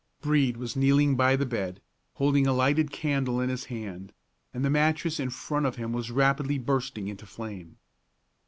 Brede was kneeling by the bed, holding a lighted candle in his hand, and the mattress in front of him was rapidly bursting into flame.